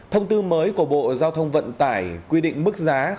thông tư mới của bộ giao thông vận tải quy định mức giá